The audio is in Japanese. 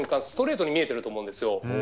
ストレートに見えていると思うんですよ。